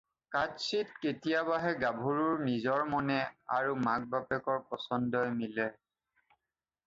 কাচিৎ কেতিয়াবাহে গাভৰুৰ নিজ মনে আৰু মাক-বাপেকৰ পছন্দই মিলে।